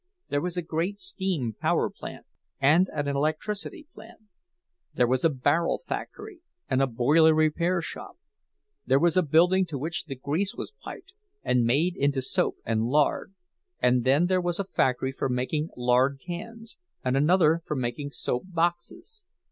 There was a great steam power plant and an electricity plant. There was a barrel factory, and a boiler repair shop. There was a building to which the grease was piped, and made into soap and lard; and then there was a factory for making lard cans, and another for making soap boxes.